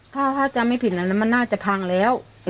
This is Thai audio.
ถ้าจำไม่ผิดอันนั้นมันน่าจะพังแล้ว